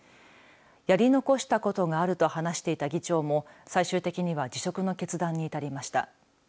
やり残したことがあると話していた議長も最終的には辞職の決断に至りました。